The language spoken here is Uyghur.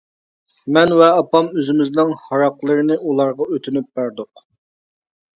مەن ۋە ئاپام ئۆزىمىزنىڭ ھاراقلىرىنى ئۇلارغا ئۆتۈنۈپ بەردۇق.